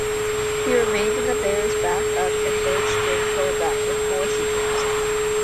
He remained the Bears' back-up and third-string quarterback for four seasons.